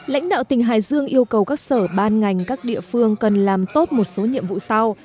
lãnh đạo tỉnh hải dương yêu cầu các sở ban ngành các địa phương cần làm tốt một số nhiệm vụ sau